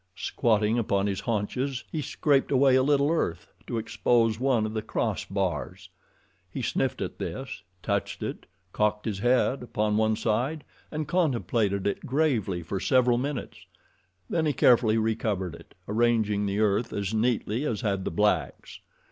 Squatting upon his haunches, he scraped away a little earth to expose one of the cross bars. He sniffed at this, touched it, cocked his head upon one side, and contemplated it gravely for several minutes. Then he carefully re covered it, arranging the earth as neatly as had the blacks.